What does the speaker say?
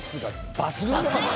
抜群！